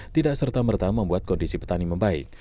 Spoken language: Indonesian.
tidak serta merta membuat kondisi petani membaik